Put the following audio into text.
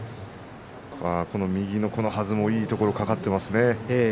この右のはずもいいところにかかっていますね。